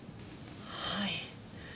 はい。